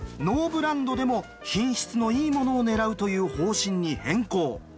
ノーブランドでも品質のいいものを狙うという方針に変更。